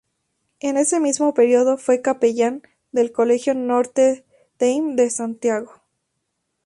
En ese mismo período fue capellán del Colegio Notre Dame de Santiago.